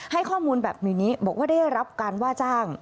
ให้ข้อมูลแบบนี้บอกว่าได้รับการว่าจ้าง